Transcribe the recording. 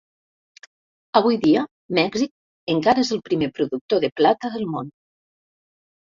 Avui dia, Mèxic encara és el primer productor de plata del món.